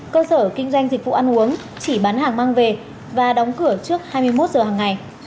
cơ sở kinh doanh dịch vụ ăn uống chỉ bán hàng mang về và đóng cửa trước hai mươi một giờ hàng ngày